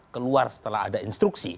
keluar setelah ada instruksi